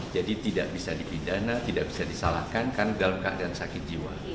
jadi tidak bisa dipindana tidak bisa disalahkan karena dalam keadaan sakit jiwa